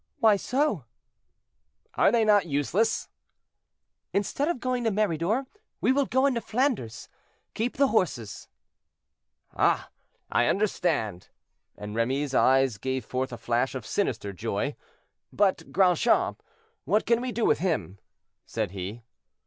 "Why so?" "Are they not useless?" "Instead of going to Meridor, we will go into Flanders. Keep the horses." "Ah! I understand!" and Remy's eyes gave forth a flash of sinister joy. "But Grandchamp; what can we do with him?" said he.